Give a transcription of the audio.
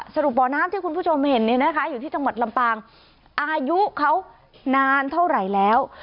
สรุป่อน้ำที่คุณผู้ชมเห็นอยู่ที่จังหวัดลัมปางค์อายุเขานานเท่าไหร่แล้ว